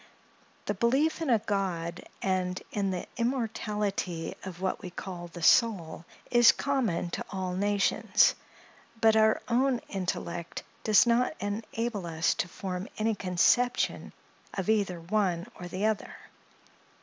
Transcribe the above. The belief in a God, and in the immortality of what we call the soul, is common to all nations; but our own intellect does not enable us to form any conception of either one or the other.